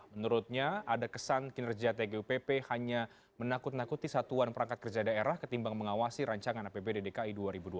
menurutnya ada kesan kinerja tgupp hanya menakut nakuti satuan perangkat kerja daerah ketimbang mengawasi rancangan apbd dki dua ribu dua puluh